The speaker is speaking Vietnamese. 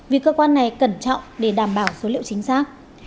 vì cơ quan này cẩn trọng để đảm bảo số liệu chính xác